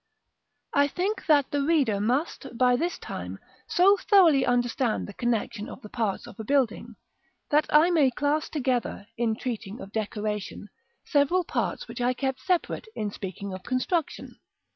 § II. I think that the reader must, by this time, so thoroughly understand the connection of the parts of a building, that I may class together, in treating of decoration, several parts which I kept separate in speaking of construction.